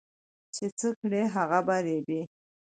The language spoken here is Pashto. چي څه کرې هغه به رېبې